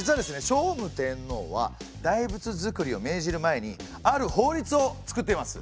聖武天皇は大仏造りを命じる前にある法律を作っています。